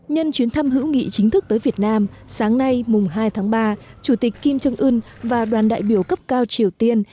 nhân chuyến thăm hữu nghị chính thức tới việt nam sáng nay mùng hai tháng ba chủ tịch kim trương ưn và đoàn đại biểu cấp cao triều tiên